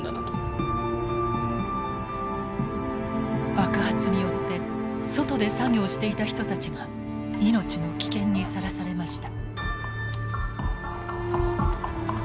爆発によって外で作業していた人たちが命の危険にさらされました。